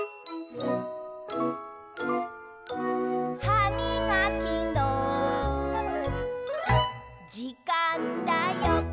「はみがきのじかんだよ！」